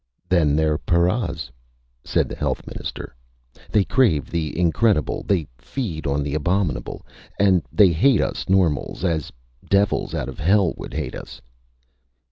"Then they're paras!" said the Health Minister. "They crave the incredible. They feed on the abominable. And they hate us normals as devils out of hell would hate us!"